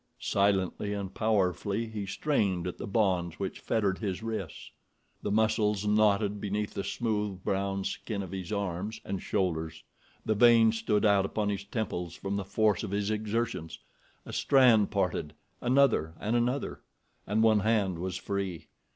Silently and powerfully he strained at the bonds which fettered his wrists. The muscles knotted beneath the smooth, brown skin of his arms and shoulders, the veins stood out upon his temples from the force of his exertions—a strand parted, another and another, and one hand was free.